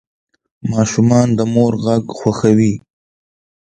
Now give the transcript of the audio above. ماشومان د مور غږ خوښوي.